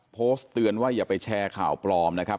โพสต์เตือนว่าอย่าไปแชร์ข่าวปลอมนะครับ